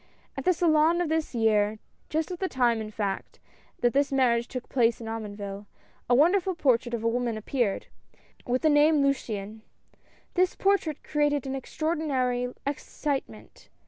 At the Salon of this year, just at the time in fact, that this marriage took place at Omonville, a wonder ful portrait of a woman appeared, with thq name Luciane. This portrait created an extraordinary ex citement.